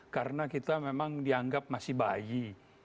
karena kita memang dianggap masih bayi